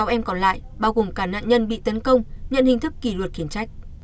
sáu em còn lại bao gồm cả nạn nhân bị tấn công nhận hình thức kỷ luật khiển trách